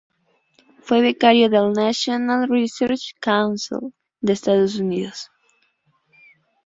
Fue becario del National Research Council de Estados Unidos.